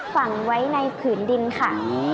ฝังไว้ในผืนดินค่ะ